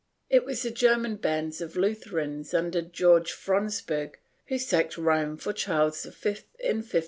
It was the German bands of Lutherans under Georg Fronsberg who sacked Rome for Charles V in 1527.